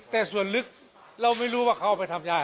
แต่ส่วนลึกเราไม่รู้ว่าเขาเอาไปทำยา